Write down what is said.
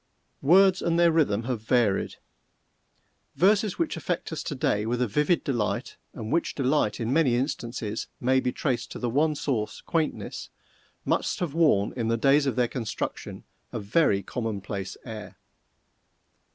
Words and their rhythm have varied. Verses which affect us to day with a vivid delight, and which delight, in many instances, may be traced to the one source, quaintness, must have worn in the days of their construction, a very commonplace air.